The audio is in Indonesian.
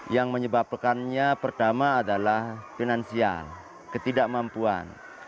yang menyebabkannya pertama adalah finansial ketidakmampuan